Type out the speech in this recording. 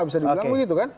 bisa dibilang begitu kan